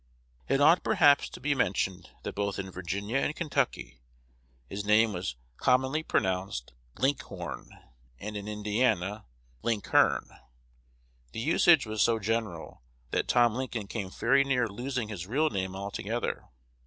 It ought, perhaps, to be mentioned, that both in Virginia and Kentucky his name was commonly pronounced "Linck horn," and in Indiana, "Linckhern." The usage was so general, that Tom Lincoln came very near losing his real name altogether.